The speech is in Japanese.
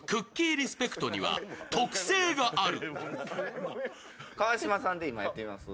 リスペクトには特性がある。